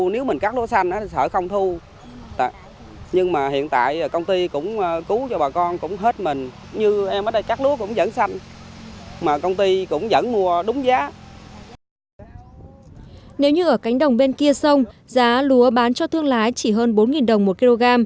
nếu như cánh đồng bên kia sông giá lúa bán cho thương lái chỉ hơn bốn đồng một kg